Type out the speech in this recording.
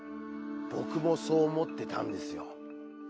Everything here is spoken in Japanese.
僕もそう思ってたんですよ。